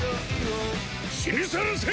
死にさらせ！